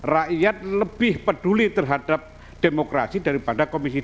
rakyat lebih peduli terhadap demokrasi daripada komisi dua